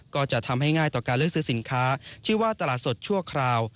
ก็จะทำให้ง่ายต่อการเลือกซื้อสินค้าชื่อว่าตลาดสดชั่วคราว